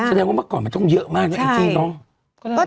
แสดงว่าเมื่อก่อนมันต้องเยอะมากนะแองจี้เนอะ